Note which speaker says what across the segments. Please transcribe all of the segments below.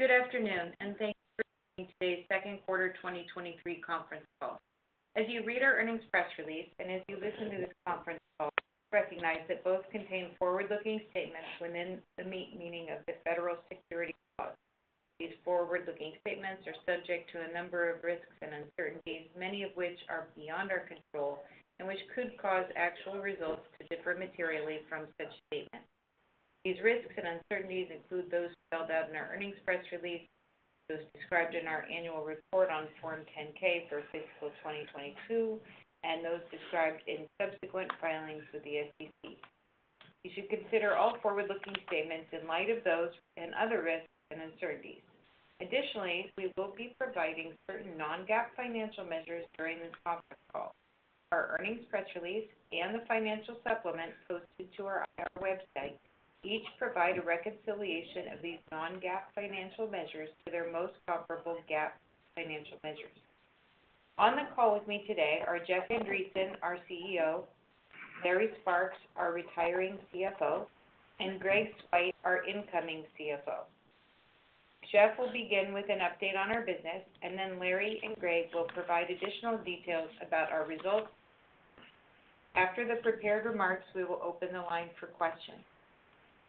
Speaker 1: Good afternoon, thanks for joining today's Second Quarter 2023 Conference Call. As you read our earnings press release, as you listen to this conference call, recognize that both contain forward-looking statements within the meaning of the federal securities laws. These forward-looking statements are subject to a number of risks and uncertainties, many of which are beyond our control, which could cause actual results to differ materially from such statements. These risks and uncertainties include those spelled out in our earnings press release, those described in our annual report on Form 10-K for Fiscal 2022, those described in subsequent filings with the SEC. You should consider all forward-looking statements in light of those and other risks and uncertainties. Additionally, we will be providing certain non-GAAP financial measures during this conference call. Our earnings press release and the financial supplement posted to our website each provide a reconciliation of these non-GAAP financial measures to their most comparable GAAP financial measures. On the call with me today are Jeff Andreson, our CEO, Larry Sparks, our retiring CFO, and Greg Swyt, our incoming CFO. Jeff will begin with an update on our business, and then Larry and Greg will provide additional details about our results. After the prepared remarks, we will open the line for questions.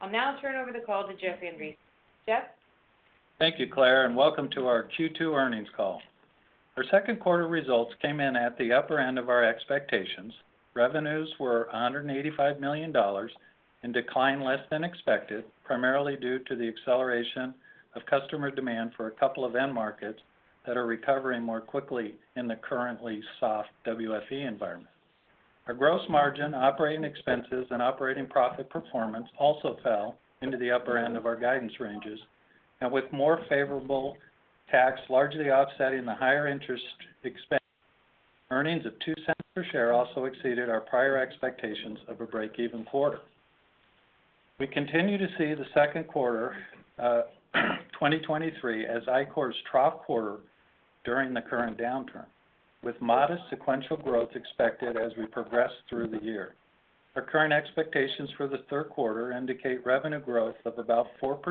Speaker 1: I'll now turn over the call to Jeff Andreson. Jeff?
Speaker 2: Thank you, Claire. Welcome to our Q2 earnings call. Our second quarter results came in at the upper end of our expectations. Revenues were $185 million and declined less than expected, primarily due to the acceleration of customer demand for a couple of end markets that are recovering more quickly in the currently soft WFE environment. Our gross margin, operating expenses, and operating profit performance also fell into the upper end of our guidance ranges, and with more favorable tax largely offsetting the higher interest expense. Earnings of $0.02 per share also exceeded our prior expectations of a break-even quarter. We continue to see the second quarter 2023 as Ichor's trough quarter during the current downturn, with modest sequential growth expected as we progress through the year. Our current expectations for the third quarter indicate revenue growth of about ±4%,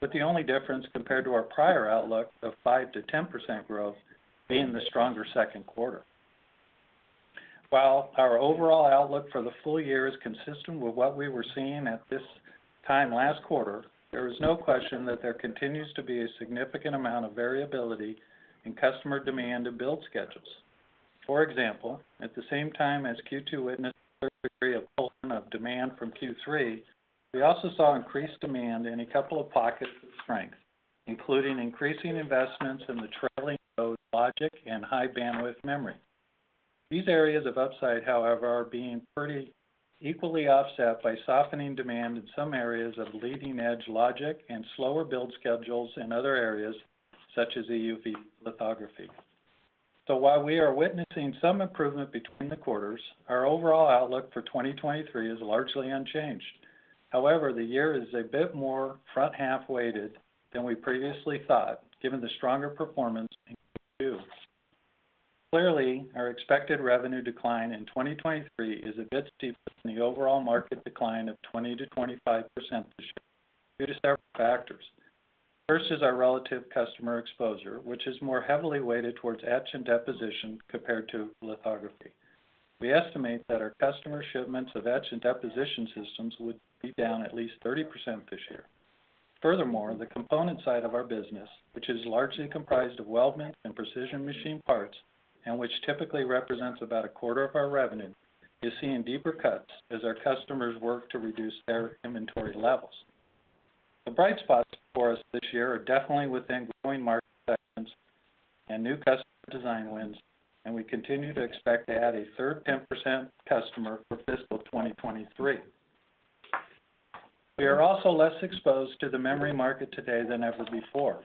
Speaker 2: with the only difference compared to our prior outlook of 5%-10% growth being the stronger second quarter. While our overall outlook for the full year is consistent with what we were seeing at this time last quarter, there is no question that there continues to be a significant amount of variability in customer demand and build schedules. For example, at the same time as Q2 witnessed a third degree of pull of demand from Q3, we also saw increased demand in a couple of pockets of strength, including increasing investments in the trailing-edge logic and high bandwidth memory. These areas of upside, however, are being pretty equally offset by softening demand in some areas of leading-edge logic and slower build schedules in other areas, such as EUV lithography. While we are witnessing some improvement between the quarters, our overall outlook for 2023 is largely unchanged. However, the year is a bit more front-half weighted than we previously thought, given the stronger performance in Q2. Clearly, our expected revenue decline in 2023 is a bit steeper than the overall market decline of 20%-25% this year due to several factors. First is our relative customer exposure, which is more heavily weighted towards etch and deposition compared to lithography. We estimate that our customer shipments of etch and deposition systems would be down at least 30% this year. Furthermore, the component side of our business, which is largely comprised of weldment and precision machined parts, and which typically represents about 25% of our revenue, is seeing deeper cuts as our customers work to reduce their inventory levels. The bright spots for us this year are definitely within growing market segments and new customer design wins. We continue to expect to add a 3rd 10% customer for Fiscal 2023. We are also less exposed to the memory market today than ever before.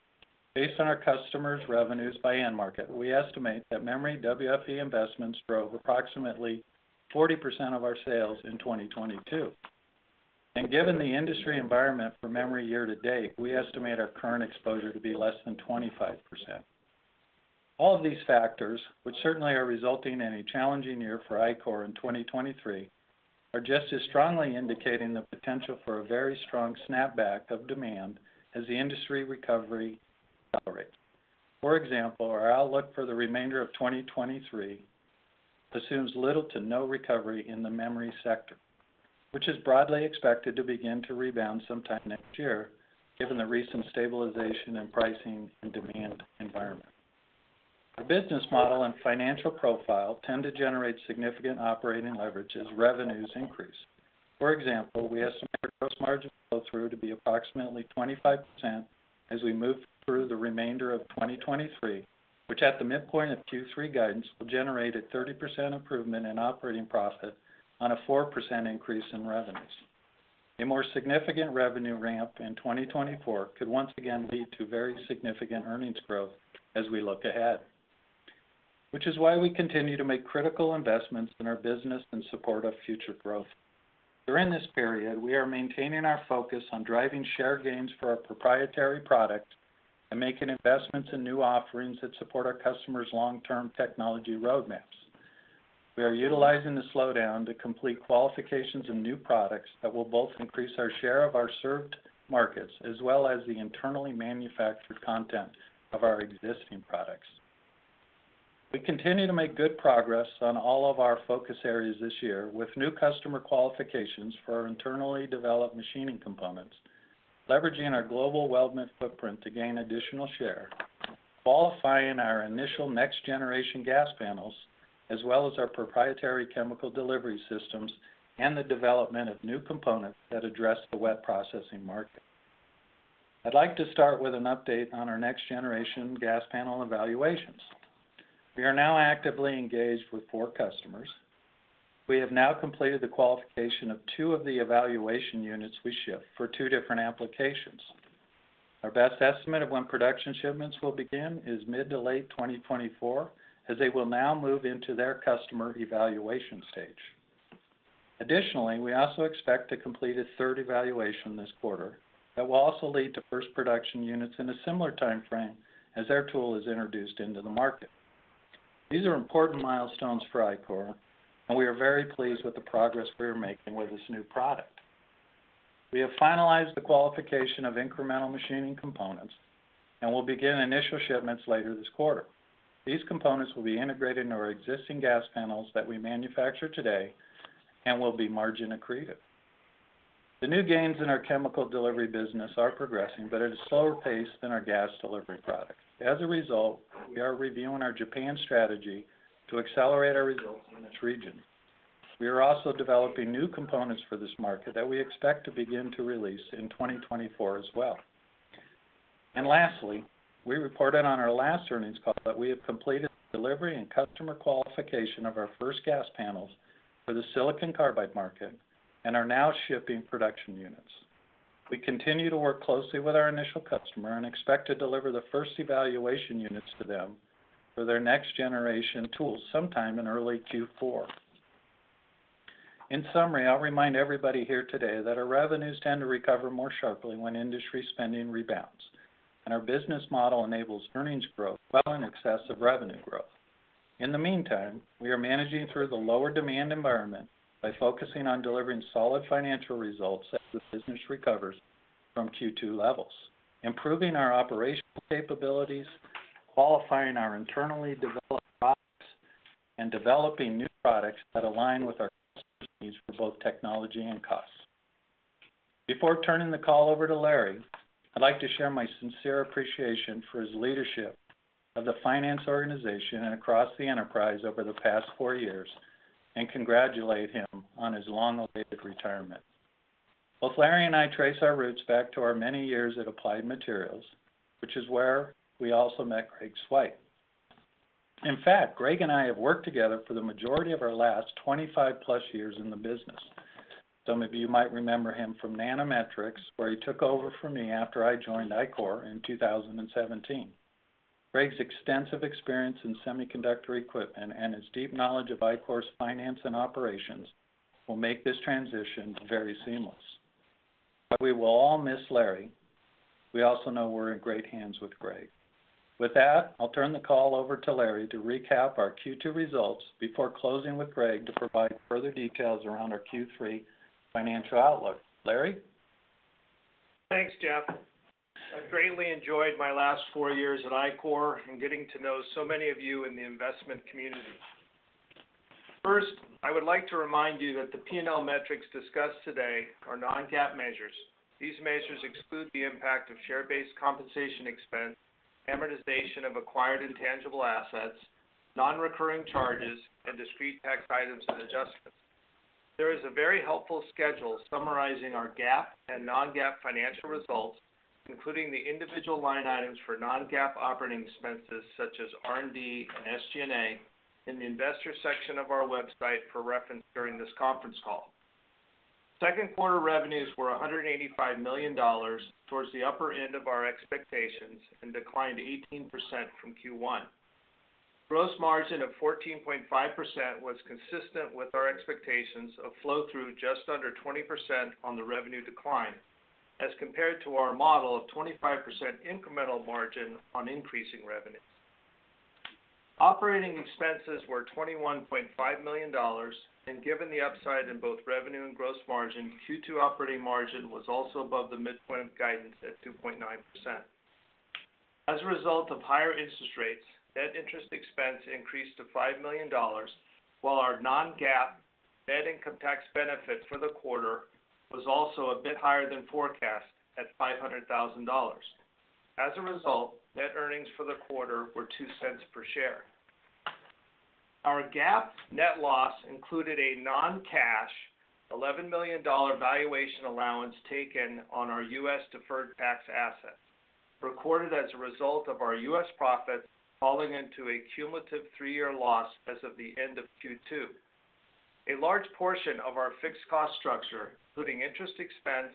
Speaker 2: Based on our customers' revenues by end market, we estimate that memory WFE investments drove approximately 40% of our sales in 2022. Given the industry environment for memory year to date, we estimate our current exposure to be less than 25%. All of these factors, which certainly are resulting in a challenging year for Ichor in 2023, are just as strongly indicating the potential for a very strong snapback of demand as the industry recovery accelerates. For example, our outlook for the remainder of 2023 assumes little to no recovery in the memory sector, which is broadly expected to begin to rebound sometime next year, given the recent stabilization in pricing and demand environment. Our business model and financial profile tend to generate significant operating leverage as revenues increase. For example, we estimate our gross margin flow-through to be approximately 25% as we move through the remainder of 2023, which at the midpoint of Q3 guidance, will generate a 30% improvement in operating profit on a 4% increase in revenues. A more significant revenue ramp in 2024 could once again lead to very significant earnings growth as we look ahead, which is why we continue to make critical investments in our business in support of future growth. During this period, we are maintaining our focus on driving share gains for our proprietary product and making investments in new offerings that support our customers' long-term technology roadmaps. We are utilizing the slowdown to complete qualifications in new products that will both increase our share of our served markets, as well as the internally manufactured content of our existing products. We continue to make good progress on all of our focus areas this year, with new customer qualifications for our internally developed machining components, leveraging our global weldment footprint to gain additional share, qualifying our initial next-generation gas panels, as well as our proprietary chemical delivery systems, and the development of new components that address the wet processing market. I'd like to start with an update on our next-generation gas panel evaluations. We are now actively engaged with four customers. We have now completed the qualification of two of the evaluation units we shipped for two different applications. Our best estimate of when production shipments will begin is mid to late 2024, as they will now move into their customer evaluation stage. Additionally, we also expect to complete a third evaluation this quarter that will also lead to first production units in a similar time frame as their tool is introduced into the market. These are important milestones for Ichor, and we are very pleased with the progress we are making with this new product. We have finalized the qualification of incremental machining components and will begin initial shipments later this quarter. These components will be integrated into our existing gas panels that we manufacture today and will be margin accretive. The new gains in our chemical delivery business are progressing, but at a slower pace than our gas delivery product. As a result, we are reviewing our Japan strategy to accelerate our results in this region. We are also developing new components for this market that we expect to begin to release in 2024 as well. Lastly, we reported on our last earnings call that we have completed delivery and customer qualification of our first gas panels for the silicon carbide market and are now shipping production units. We continue to work closely with our initial customer and expect to deliver the first evaluation units to them for their next-generation tools sometime in early Q4. In summary, I'll remind everybody here today that our revenues tend to recover more sharply when industry spending rebounds, and our business model enables earnings growth well in excess of revenue growth. In the meantime, we are managing through the lower demand environment by focusing on delivering solid financial results as the business recovers from Q2 levels, improving our operational capabilities, qualifying our internally developed products, and developing new products that align with our customers' needs for both technology and costs. Before turning the call over to Larry, I'd like to share my sincere appreciation for his leadership of the finance organization and across the enterprise over the past four years, and congratulate him on his long-awaited retirement. Both Larry and I trace our roots back to our many years at Applied Materials, which is where we also met Greg Swyt. In fact, Greg and I have worked together for the majority of our last 25 plus years in the business. Some of you might remember him from Nanometrics, where he took over for me after I joined Ichor in 2017. Greg's extensive experience in semiconductor equipment and his deep knowledge of Ichor's finance and operations will make this transition very seamless. We will all miss Larry. We also know we're in great hands with Greg. With that, I'll turn the call over to Larry to recap our Q2 results before closing with Greg to provide further details around our Q3 financial outlook. Larry?
Speaker 3: Thanks, Jeff. I've greatly enjoyed my last four years at Ichor and getting to know so many of you in the investment community. First, I would like to remind you that the P&L metrics discussed today are non-GAAP measures. These measures exclude the impact of share-based compensation expense, amortization of acquired intangible assets, non-recurring charges, and discrete tax items and adjustments. There is a very helpful schedule summarizing our GAAP and non-GAAP financial results, including the individual line items for non-GAAP operating expenses, such as R&D and SG&A, in the Investors section of our website for reference during this conference call. Second quarter revenues were $185 million, towards the upper end of our expectations, and declined 18% from Q1. Gross margin of 14.5% was consistent with our expectations of flow-through just under 20% on the revenue decline, as compared to our model of 25% incremental margin on increasing revenues. Operating Expenses were $21.5 million, and given the upside in both revenue and gross margin, Q2 operating margin was also above the midpoint of guidance at 2.9%. As a result of higher interest rates, net interest expense increased to $5 million, while our non-GAAP net income tax benefit for the quarter was also a bit higher than forecast, at $500,000. As a result, net earnings for the quarter were $0.02 per share. Our GAAP net loss included a non-cash $11 million valuation allowance taken on our US deferred tax asset, recorded as a result of our US profits falling into a cumulative three-year loss as of the end of Q2. A large portion of our fixed cost structure, including interest expense,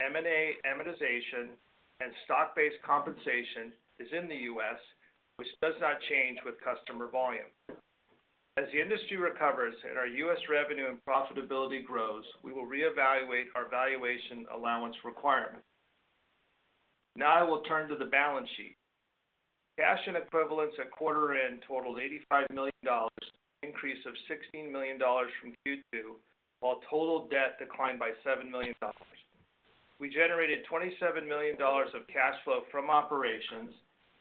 Speaker 3: M&A amortization, and stock-based compensation, is in the U.S., which does not change with customer volume. As the industry recovers and our U.S. revenue and profitability grows, we will reevaluate our valuation allowance requirement. I will turn to the balance sheet. Cash and equivalents at quarter end totaled $85 million, increase of $16 million from Q2, while total debt declined by $7 million. We generated $27 million of cash flow from operations,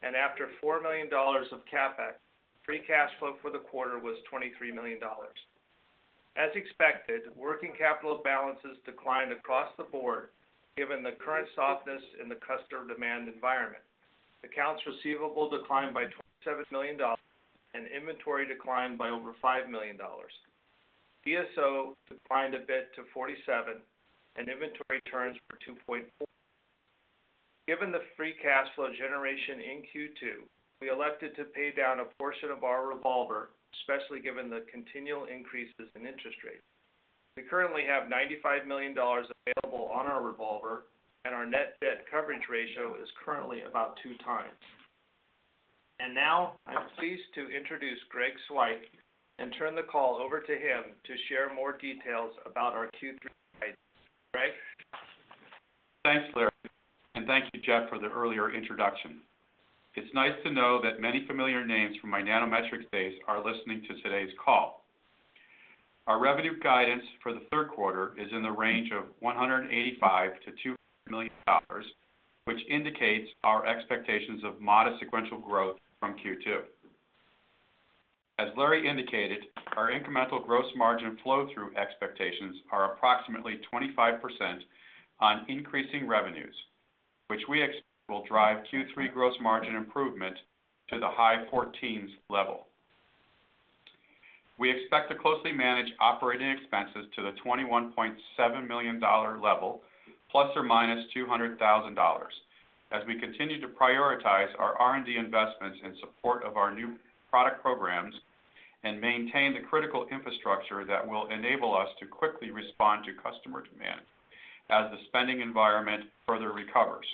Speaker 3: and after $4 million of CapEx, free cash flow for the quarter was $23 million. As expected, working capital balances declined across the board, given the current softness in the customer demand environment. Accounts receivable declined by $27 million, and inventory declined by over $5 million. DSO declined a bit to 47, and inventory turns were 2.4. Given the free cash flow generation in Q2, we elected to pay down a portion of our revolver, especially given the continual increases in interest rates. We currently have $95 million available on our revolver, and our net debt coverage ratio is currently about 2x. Now, I'm pleased to introduce Greg Swyt and turn the call over to him to share more details about our Q3. Greg?
Speaker 4: Thanks, Larry. Thank you, Jeff, for the earlier introduction. It's nice to know that many familiar names from my Nanometrics days are listening to today's call. Our revenue guidance for the third quarter is in the range of $185-$200 million, which indicates our expectations of modest sequential growth from Q2. As Larry indicated, our incremental gross margin flow-through expectations are approximately 25% on increasing revenues, which we expect will drive Q3 gross margin improvement to the high 14 level. We expect to closely manage operating expenses to the $21.7 million level, ±$200,000, as we continue to prioritize our R&D investments in support of our new product programs and maintain the critical infrastructure that will enable us to quickly respond to customer demand as the spending environment further recovers.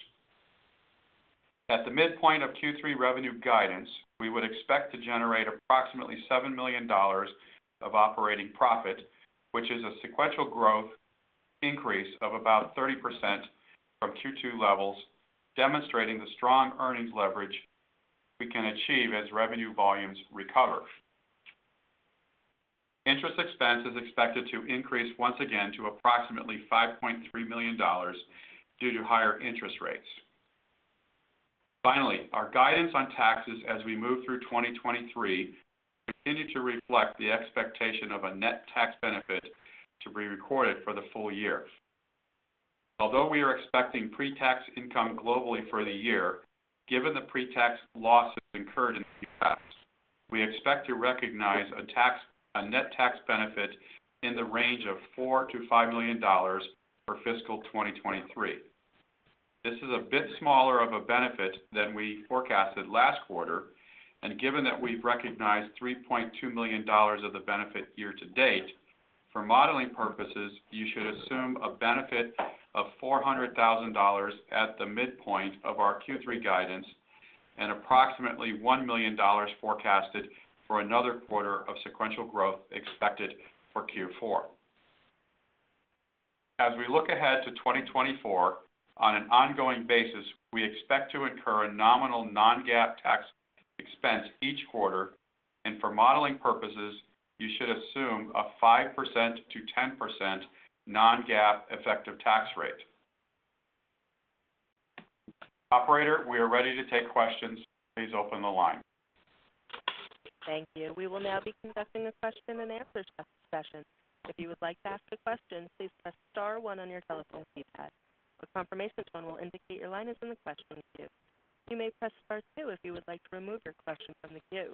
Speaker 4: At the midpoint of Q3 revenue guidance, we would expect to generate approximately $7 million of operating profit, which is a sequential growth increase of about 30% from Q2 levels, demonstrating the strong earnings leverage we can achieve as revenue volumes recover. Interest expense is expected to increase once again to approximately $5.3 million due to higher interest rates. Finally, our guidance on taxes as we move through 2023 continued to reflect the expectation of a net tax benefit to be recorded for the full year. Although we are expecting pre-tax income globally for the year, given the pre-tax losses incurred in the past, we expect to recognize a net tax benefit in the range of $4-$5 million for fiscal 2023. This is a bit smaller of a benefit than we forecasted last quarter, and given that we've recognized $3.2 million of the benefit year to date, for modeling purposes, you should assume a benefit of $400,000 at the midpoint of our Q3 guidance and approximately $1 million forecasted for another quarter of sequential growth expected for Q4. As we look ahead to 2024, on an ongoing basis, we expect to incur a nominal non-GAAP tax expense each quarter, and for modeling purposes, you should assume a 5%-10% non-GAAP effective tax rate. Operator, we are ready to take questions. Please open the line.
Speaker 5: Thank you. We will now be conducting a question and answer session. If you would like to ask a question, please press star one on your telephone keypad. A confirmation tone will indicate your line is in the question queue. You may press star two if you would like to remove your question from the queue.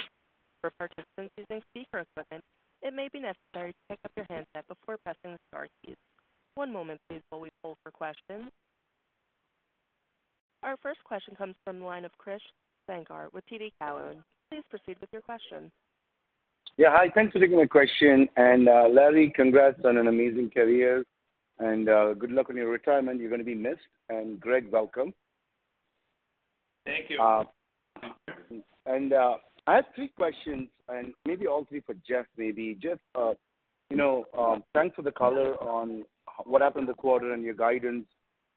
Speaker 5: For participants using speaker equipment, it may be necessary to pick up your handset before pressing the star keys. One moment please while we poll for questions. Our first question comes from the line of Krish Sankar with TD Cowen. Please proceed with your question.
Speaker 6: Yeah, hi, thanks for taking my question. Larry, congrats on an amazing career, and good luck on your retirement. You're going to be missed. Greg, welcome.
Speaker 4: Thank you.
Speaker 6: I have three questions, and maybe all three for Jeff, maybe. Jeff, you know, thanks for the color on what happened in the quarter and your guidance,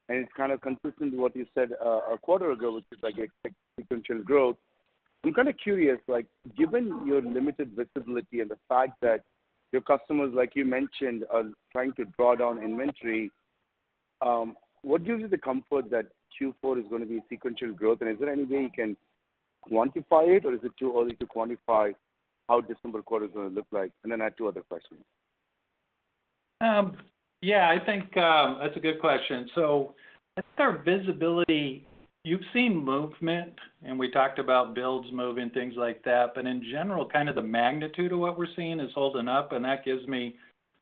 Speaker 6: and it's kind of consistent with what you said a quarter ago, which is like expect sequential growth. I'm kind of curious, like, given your limited visibility and the fact that your customers, like you mentioned, are trying to draw down inventory, what gives you the comfort that Q4 is going to be sequential growth? Is there any way you can quantify it, or is it too early to quantify how December quarter is going to look like? Then I have two other questions.
Speaker 2: Yeah, I think that's a good question. I think our visibility, you've seen movement, and we talked about builds moving, things like that. In general, kind of the magnitude of what we're seeing is holding up, and that gives me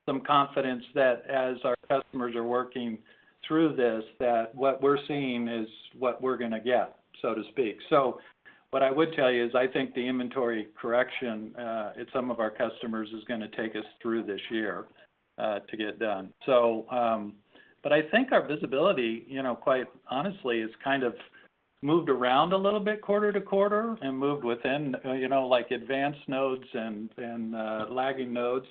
Speaker 2: some confidence that as our customers are working through this, that what we're seeing is what we're going to get, so to speak. What I would tell you is, I think the inventory correction at some of our customers is going to take us through this year to get it done. I think our visibility, you know, quite honestly, is kind of moved around a little bit quarter to quarter and moved within, you know, like, advanced nodes and lagging nodes.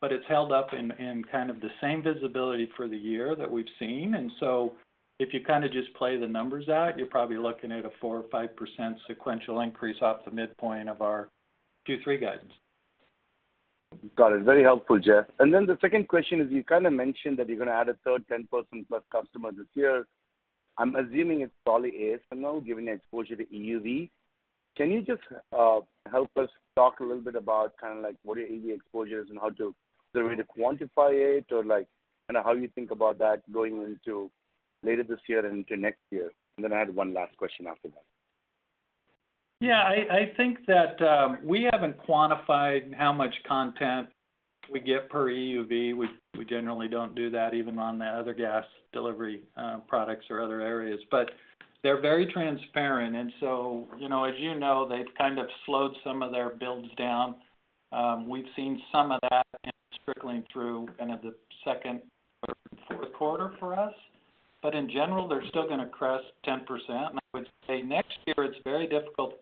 Speaker 2: But it's held up in, in kind of the same visibility for the year that we've seen. If you kind of just play the numbers out, you're probably looking at a 4% or 5% sequential increase off the midpoint of our Q3 guidance.
Speaker 6: Got it. Very helpful, Jeff. The second question is, you kind of mentioned that you're going to add a third 10 person plus customer this year. I'm assuming it's probably ASML, given the exposure to EUV. Can you just help us talk a little bit about kind of like what are your EUV exposures and how to sort of quantify it, or like, kind of how you think about that going into later this year and into next year? I had one last question after that.
Speaker 2: Yeah, I, I think that we haven't quantified how much content we get per EUV. We, we generally don't do that even on the other gas delivery products or other areas. They're very transparent, and so, you know, as you know, they've kind of slowed some of their builds down. We've seen some of that trickling through kind of the second or fourth quarter for us. In general, they're still going to crest 10%. I would say next year, it's very difficult.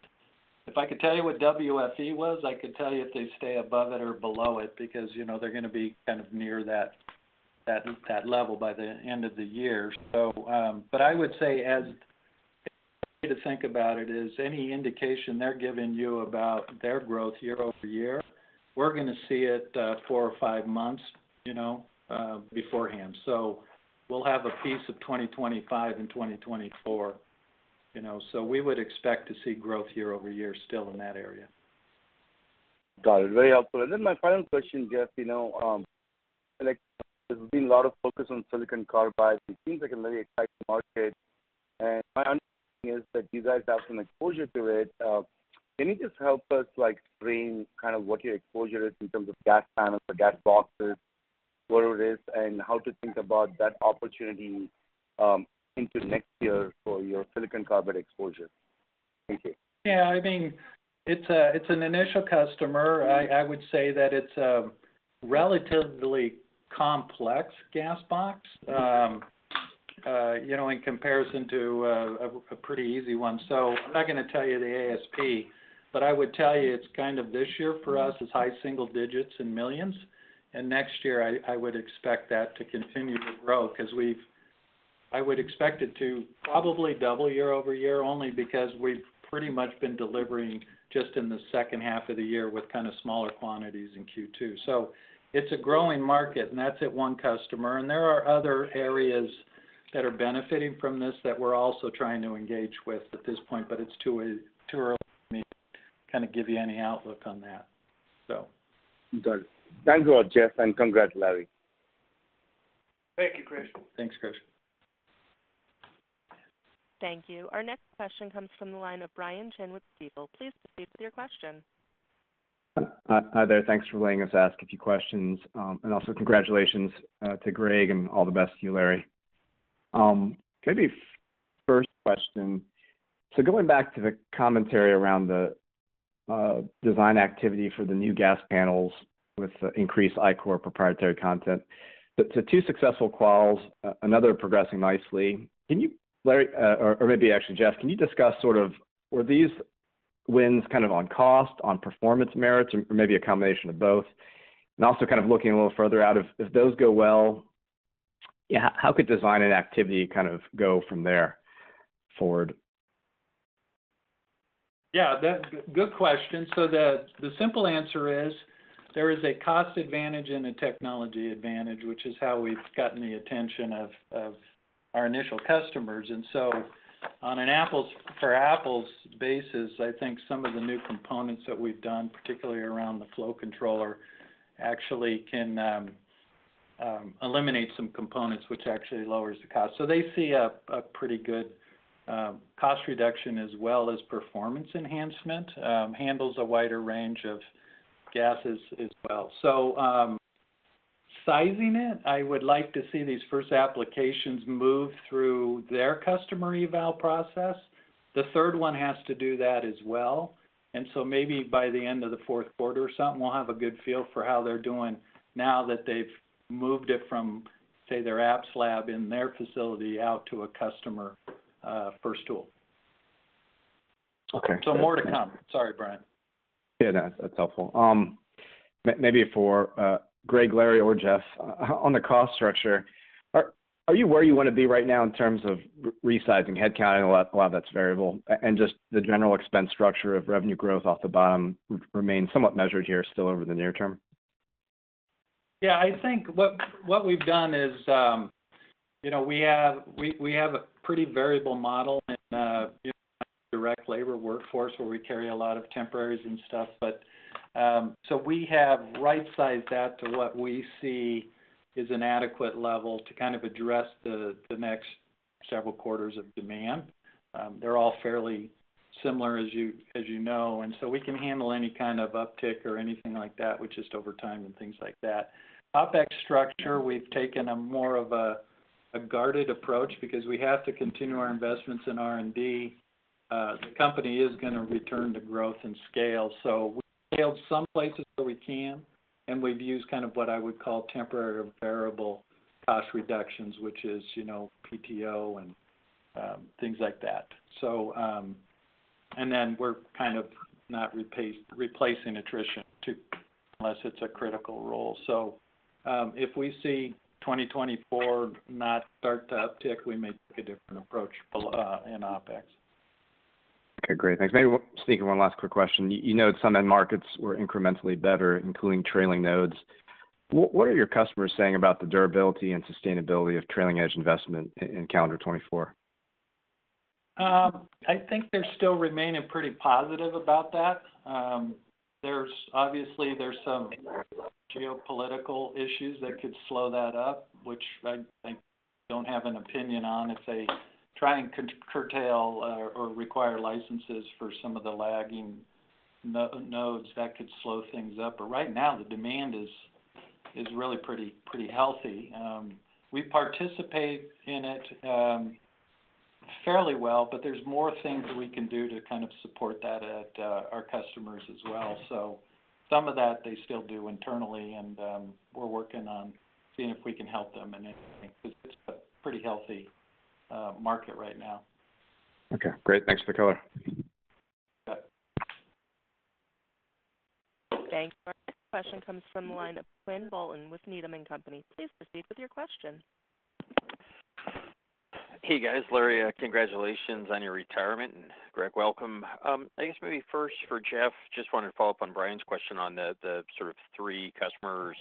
Speaker 2: If I could tell you what WFE was, I could tell you if they stay above it or below it, because, you know, they're going to be kind of near that, that, that level by the end of the year. I would say as to think about it, is any indication they're giving you about their growth year-over-year, we're going to see it, four or five months, you know, beforehand. We'll have a piece of 2025 and 2024, you know, so we would expect to see growth year-over-year still in that area.
Speaker 6: Got it. Very helpful. My final question, Jeff, you know, like, there's been a lot of focus on silicon carbide. It seems like a very exciting market, and my understanding is that you guys have some exposure to it. Can you just help us, like, frame kind of what your exposure is in terms of gas panels or gas boxes, what it is, and how to think about that opportunity, into next year for your silicon carbide exposure? Thank you.
Speaker 2: Yeah, I mean, it's an initial customer. I, I would say that it's a relatively complex gas box, you know, in comparison to a pretty easy one. I'm not going to tell you the ASP, but I would tell you it's kind of this year for us, it's high single digits in millions, and next year, I, I would expect that to continue to grow because I would expect it to probably double year-over-year, only because we've pretty much been delivering just in the second half of the year with kind of smaller quantities in Q2. It's a growing market, and that's at one customer. There are other areas that are benefiting from this that we're also trying to engage with at this point, but it's too, too early for me to kind of give you any outlook on that.
Speaker 6: Got it. Thank you, Jeff, and congrats, Larry.
Speaker 2: Thank you, Krish.
Speaker 3: Thanks, Krish.
Speaker 5: Thank you. Our next question comes from the line of Brian Chin with Stifel. Please proceed with your question.
Speaker 7: Hi there. Thanks for letting us ask a few questions, and also congratulations to Greg, and all the best to you, Larry. Maybe first question. Going back to the commentary around the design activity for the new gas panels with increased Ichor proprietary content. Two successful quals, another progressing nicely. Can you, Larry, or, or maybe actually, Jeff, can you discuss sort of, were these wins kind of on cost, on performance merits, or maybe a combination of both? Also kind of looking a little further out, if, if those go well, yeah, how could design and activity kind of go from there forward?
Speaker 2: Yeah, good question. The simple answer is, there is a cost advantage and a technology advantage, which is how we've gotten the attention of our initial customers. On an apples for apples basis, I think some of the new components that we've done, particularly around the flow controller, actually can eliminate some components, which actually lowers the cost. They see a pretty good cost reduction as well as performance enhancement, handles a wider range of gases as well. Sizing it, I would like to see these first applications move through their customer eval process. The third one has to do that as well. Maybe by the end of the fourth quarter or something, we'll have a good feel for how they're doing now that they've moved it from, say, their apps lab in their facility out to a customer, first tool.
Speaker 7: Okay.
Speaker 2: More to come. Sorry, Brian.
Speaker 7: Yeah, no, that's helpful. Maybe for Greg, Larry, or Jeff, on the cost structure, are, are you where you want to be right now in terms of resizing headcount, a lot, a lot of that's variable, and just the general expense structure of revenue growth off the bottom remains somewhat measured here still over the near term?
Speaker 2: Yeah, I think what, what we've done is, you know, we have, we, we have a pretty variable model in direct labor workforce, where we carry a lot of temporaries and stuff. So we have right-sized that to what we see is an adequate level to kind of address the, the next several quarters of demand. They're all fairly similar, as you, as you know, and so we can handle any kind of uptick or anything like that with just overtime and things like that. OpEx structure, we've taken a more of a, a guarded approach because we have to continue our investments in R&D. The company is going to return to growth and scale, so we've scaled some places where we can, and we've used kind of what I would call temporary variable cost reductions, which is, you know, PTO and things like that. And then we're kind of not replacing attrition unless it's a critical role. If we see 2024 not start to uptick, we may take a different approach in OpEx.
Speaker 7: Okay, great. Thanks. Maybe just thinking one last quick question. You, you noted some end markets were incrementally better, including trailing nodes. What, what are your customers saying about the durability and sustainability of trailing edge investment in, in calendar 2024?
Speaker 2: I think they're still remaining pretty positive about that. Obviously, there's some geopolitical issues that could slow that up, which I, I don't have an opinion on. If they try and curtail or require licenses for some of the lagging nodes, that could slow things up. Right now, the demand is, is really pretty, pretty healthy. We participate in it, fairly well, but there's more things that we can do to kind of support that at our customers as well. Some of that they still do internally, and we're working on seeing if we can help them in anything, because it's a pretty healthy market right now.
Speaker 7: Okay, great. Thanks for the color.
Speaker 2: Yeah.
Speaker 5: Thanks. Our next question comes from the line of Quinn Bolton with Needham & Company. Please proceed with your question.
Speaker 8: Hey, guys. Larry, congratulations on your retirement, and Greg, welcome. I guess maybe first for Jeff, just wanted to follow up on Brian's question on the, the sort of three customers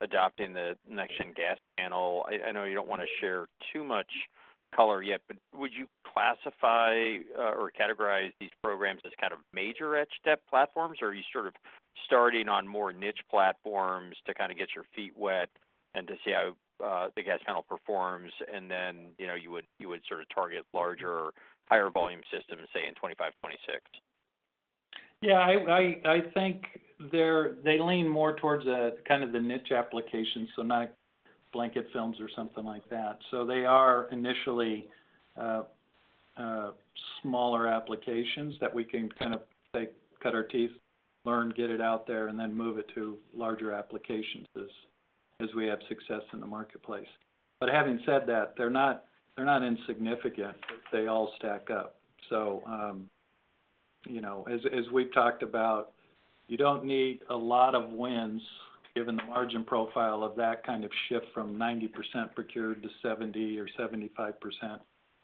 Speaker 8: adopting the next-gen gas panel. I, I know you don't want to share too much color yet, but would you classify, or categorize these programs as kind of major etch step platforms? Or are you sort of starting on more niche platforms to kind of get your feet wet and to see how the gas panel performs, and then, you know, you would, you would sort of target larger, higher volume systems, say, in 2025, 2026?
Speaker 2: Yeah, I think they're they lean more towards kind of the niche application, not blanket films or something like that. They are initially smaller applications that we can kind of take, cut our teeth, learn, get it out there, and then move it to larger applications as we have success in the marketplace. Having said that, they're not, they're not insignificant. They all stack up. You know, as we've talked about, you don't need a lot of wins, given the margin profile of that kind of shift from 90% procured to 70% or 75%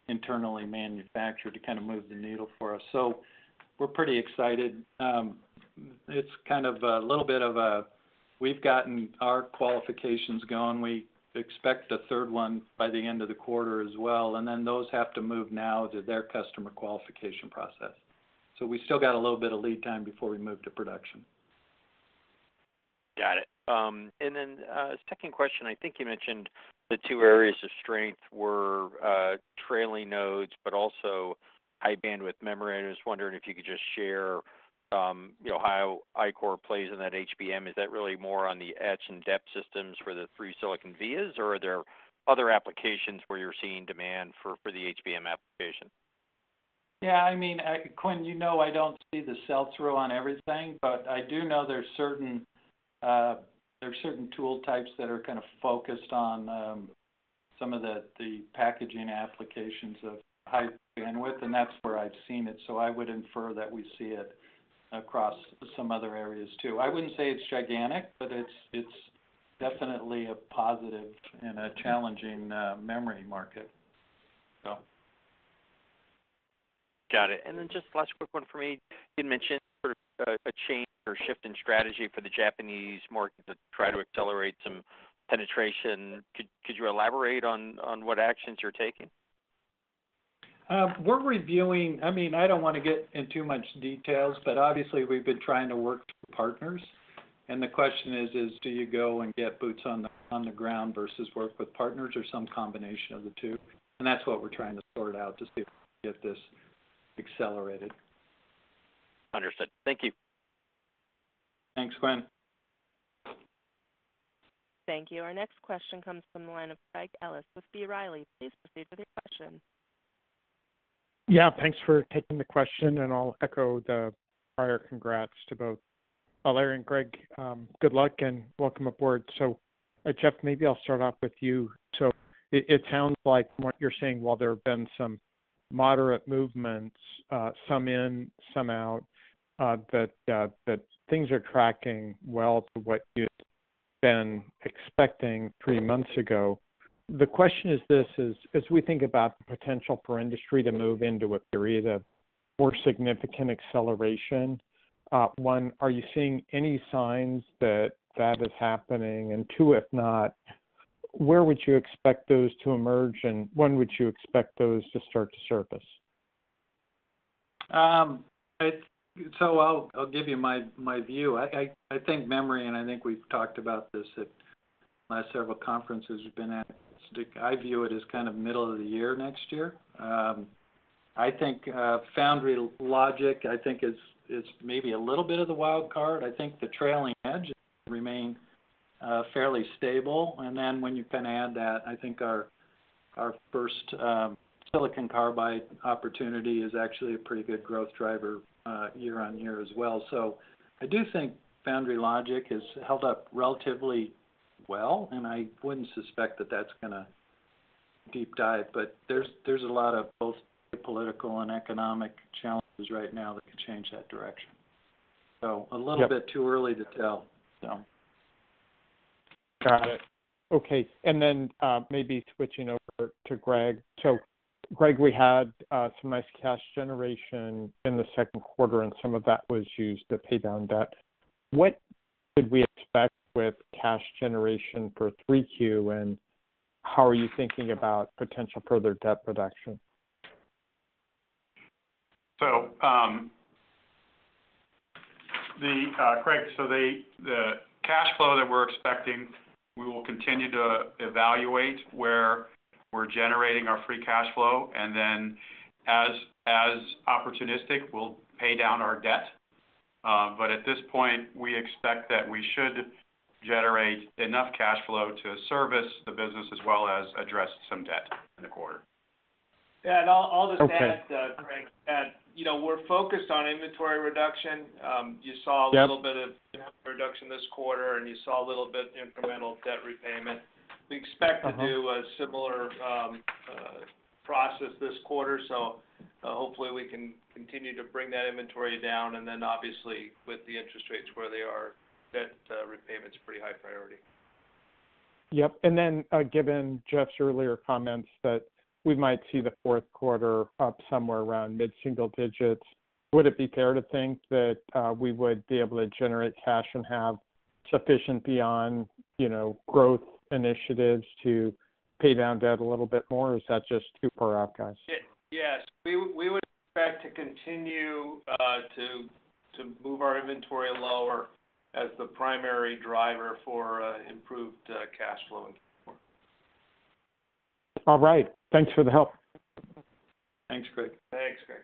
Speaker 2: internally manufactured, to kind of move the needle for us. We're pretty excited. It's kind of a little bit of a. We've gotten our qualifications going. We expect a third one by the end of the quarter as well. Those have to move now to their customer qualification process. We still got a little bit of lead time before we move to production.
Speaker 8: Got it. Second question, I think you mentioned the two areas of strength were, trailing nodes, but also high bandwidth memory. I was wondering if you could just share, you know, how Ichor plays in that HBM. Is that really more on the etch and depth systems for the Through Silicon Via, or are there other applications where you're seeing demand for, for the HBM application?
Speaker 2: Yeah, I mean, Quinn, you know I don't see the sell-through on everything, but I do know there's certain, there's certain tool types that are kind of focused on, some of the, the packaging applications of high bandwidth, and that's where I've seen it, so I would infer that we see it across some other areas, too. I wouldn't say it's gigantic, but it's, it's definitely a positive in a challenging, memory market, so.
Speaker 8: Got it. Just last quick one for me. You mentioned sort of a, a change or shift in strategy for the Japanese market to try to accelerate some penetration. Could you elaborate on what actions you're taking?
Speaker 2: I mean, I don't want to get in too much details, but obviously, we've been trying to work through partners. The question is, is: do you go and get boots on the ground versus work with partners or some combination of the two? That's what we're trying to sort out to see if we can get this accelerated.
Speaker 8: Understood. Thank you.
Speaker 2: Thanks, Quinn.
Speaker 5: Thank you. Our next question comes from the line of Craig Ellis with B. Riley. Please proceed with your question.
Speaker 9: Yeah, thanks for taking the question. I'll echo the prior congrats to both Larry Sparks and Greg Swyt. Good luck and welcome aboard. Jeff, maybe I'll start off with you. It sounds like what you're saying, while there have been some moderate movements, some in, some out, that things are tracking well to what you've been expecting three months ago. The question is this, as we think about the potential for industry to move into a period of more significant acceleration, one, are you seeing any signs that that is happening? Two, if not, where would you expect those to emerge, and when would you expect those to start to surface?
Speaker 2: I'll, I'll give you my, my view. I think memory, and I think we've talked about this at my several conferences you've been at, I view it as kind of middle of the year, next year. I think foundry logic, I think is maybe a little bit of the wild card. I think the trailing edge remain fairly stable. When you kind of add that, I think our, our first silicon carbide opportunity is actually a pretty good growth driver year-on-year as well. I do think foundry logic has held up relatively well, and I wouldn't suspect that that's gonna change. Deep dive, there's a lot of both political and economic challenges right now that could change that direction.
Speaker 9: Yep.
Speaker 2: A little bit too early to tell, so.
Speaker 9: Got it. Okay, maybe switching over to Greg. Greg, we had some nice cash generation in the Q2, and some of that was used to pay down debt. What should we expect with cash generation for Q3, and how are you thinking about potential further debt reduction?
Speaker 4: Craig, the cash flow that we're expecting, we will continue to evaluate where we're generating our free cash flow, and then as, as opportunistic, we'll pay down our debt. At this point, we expect that we should generate enough cash flow to service the business as well as address some debt in the quarter.
Speaker 2: Yeah, I'll just add.
Speaker 9: Okay.
Speaker 2: Greg, that, you know, we're focused on inventory reduction.
Speaker 9: Yep.
Speaker 2: A little bit of reduction this quarter, and you saw a little bit incremental debt repayment.
Speaker 9: Mm-hmm.
Speaker 2: We expect to do a similar process this quarter, so, hopefully we can continue to bring that inventory down, and then obviously, with the interest rates where they are, debt repayment is pretty high priority.
Speaker 9: Yep. Given Jeff's earlier comments that we might see the fourth quarter up somewhere around mid-single digits, would it be fair to think that we would be able to generate cash and have sufficient beyond, you know, growth initiatives to pay down debt a little bit more? Or is that just too far out, guys?
Speaker 2: Yes. We would, we would expect to continue to, to move our inventory lower as the primary driver for improved cash flow into the quarter.
Speaker 9: All right. Thanks for the help.
Speaker 2: Thanks, Greg.
Speaker 4: Thanks, Greg.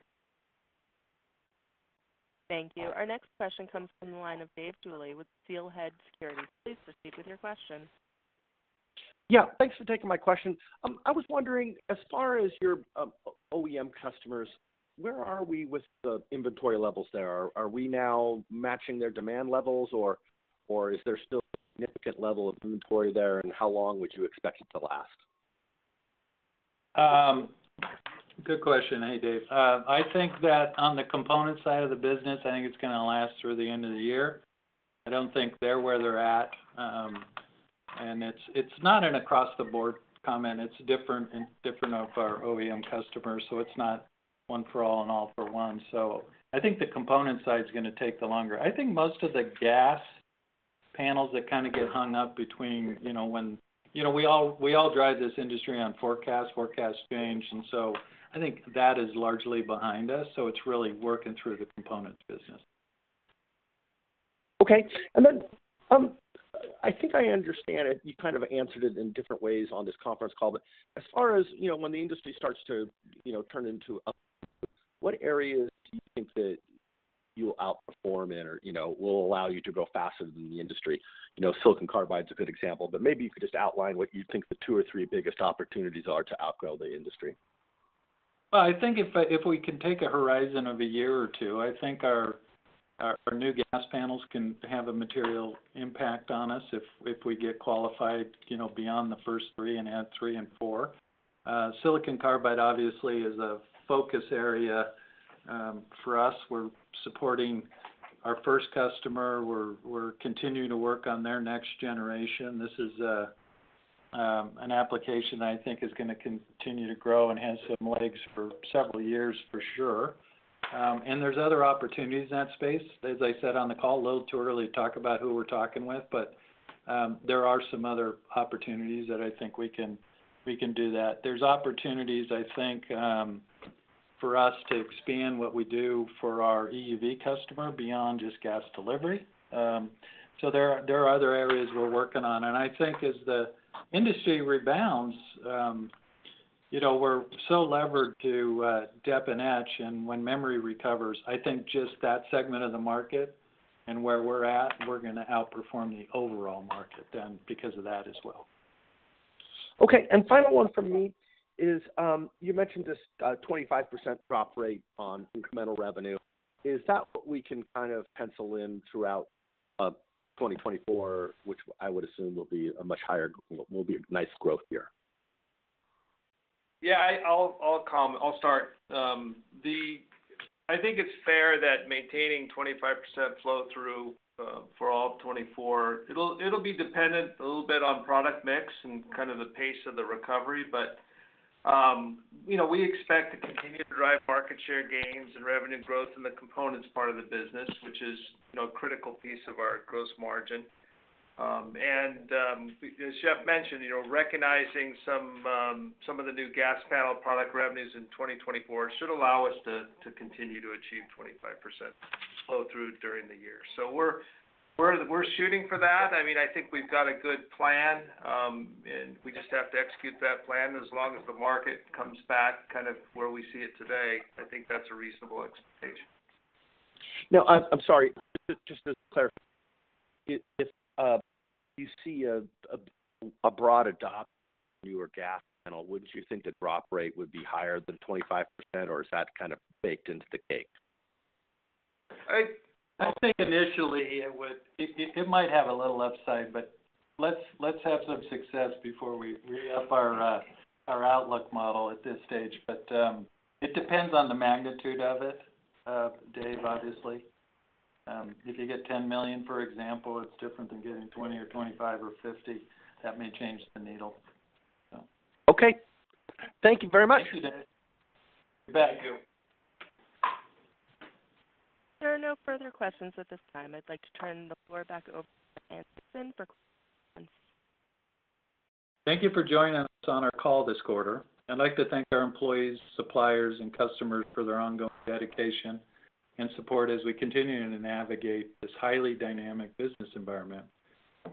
Speaker 5: Thank you. Our next question comes from the line of David Duley with Steelhead Securities. Please proceed with your question.
Speaker 10: Yeah, thanks for taking my question. I was wondering, as far as your OEM customers, where are we with the inventory levels there? Are we now matching their demand levels, or is there still a significant level of inventory there, and how long would you expect it to last?
Speaker 2: Good question. Hey, Dave. I think that on the component side of the business, I think it's gonna last through the end of the year. I don't think they're where they're at, and it's, it's not an across-the-board comment, it's different and different of our OEM customers, so it's not one for all and all for one. I think the component side is gonna take the longer. I think most of the gas panels that kind of get hung up between, you know, we all, we all drive this industry on forecast, forecasts change, and so I think that is largely behind us, so it's really working through the components business.
Speaker 10: Okay. I think I understand it. You kind of answered it in different ways on this conference call, as far as, you know, when the industry starts to, you know, turn into up, what areas do you think that you will outperform in or, you know, will allow you to grow faster than the industry? You know, silicon carbide is a good example, maybe you could just outline what you think the two or three biggest opportunities are to outgrow the industry.
Speaker 2: Well, I think if we can take a horizon of a year or two, I think our, our new gas panels can have a material impact on us if, if we get qualified, you know, beyond the first three and add three and four. silicon carbide, obviously, is a focus area for us. We're supporting our first customer. We're, we're continuing to work on their next generation. This is an application I think is gonna continue to grow and have some legs for several years, for sure. There's other opportunities in that space. As I said on the call, a little too early to talk about who we're talking with, but there are some other opportunities that I think we can, we can do that. There's opportunities, I think, for us to expand what we do for our EUV customer beyond just gas delivery. There are, there are other areas we're working on, and I think as the industry rebounds, you know, we're so levered to depth and etch, and when memory recovers, I think just that segment of the market and where we're at, we're gonna outperform the overall market then because of that as well.
Speaker 10: Okay, final one from me is, you mentioned this 25% drop-through rate on incremental revenue. Is that what we can kind of pencil in throughout 2024, which I would assume will be a much higher, will be a nice growth year?
Speaker 3: Yeah, I, I'll, I'll comment. I'll start. I think it's fair that maintaining 25% flow through for all of 2024, it'll, it'll be dependent a little bit on product mix and kind of the pace of the recovery, but, you know, we expect to continue to drive market share gains and revenue growth in the components part of the business, which is, you know, a critical piece of our gross margin. As Jeff mentioned, you know, recognizing some, some of the new gas panel product revenues in 2024 should allow us to, to continue to achieve 25% flow through during the year. We're, we're, we're shooting for that. I mean, I think we've got a good plan, and we just have to execute that plan. As long as the market comes back kind of where we see it today, I think that's a reasonable expectation.
Speaker 10: Now, I, I'm sorry, just, just to clarify, if, if, you see a, a, a broad adoption to your gas panel, wouldn't you think the drop-through rate would be higher than 25%, or is that kind of baked into the cake?
Speaker 2: I think initially it might have a little upside, but let's, let's have some success before we re-up our outlook model at this stage. It depends on the magnitude of it, Dave, obviously. If you get $10 million, for example, it's different than getting $20 or $25 or $50. That may change the needle, so.
Speaker 10: Okay. Thank you very much.
Speaker 2: Thank you, Dave.
Speaker 3: Thank you.
Speaker 5: There are no further questions at this time. I'd like to turn the floor back over to Andreson for closing comments.
Speaker 2: Thank you for joining us on our call this quarter. I'd like to thank our employees, suppliers, and customers for their ongoing dedication and support as we continue to navigate this highly dynamic business environment.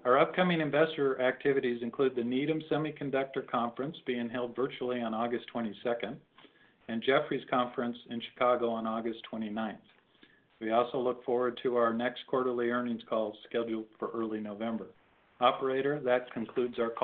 Speaker 2: Our upcoming investor activities include the Needham Semiconductor Conference, being held virtually on August 22nd, and Jefferies Conference in Chicago on August 29th. We also look forward to our next quarterly earnings call, scheduled for early November. Operator, that concludes our call.